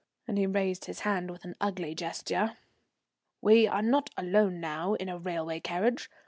and he raised his hand with an ugly gesture. "We are not alone now in a railway carriage.